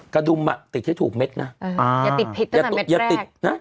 กระดุมอ่ะติดให้ถูกเม็ดนะอ่าอย่าติดผิดตั้งแต่เม็ดแรกอย่าติดนะ